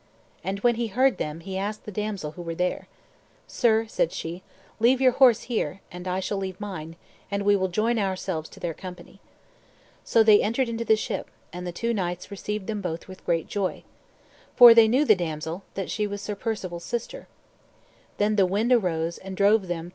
And when he heard them, he asked the damsel who they were. "Sir," said she, "leave your horse here, and I shall leave mine, and we will join ourselves to their company." So they entered into the ship, and the two knights received them both with great joy. For they knew the damsel, that she was Sir Perceval's sister.